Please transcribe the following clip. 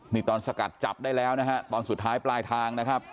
นี่ตอนสกัดจับได้แล้วนะฮะตอนสุดท้ายปลายทางนะครับ